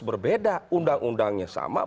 berbeda undang undangnya sama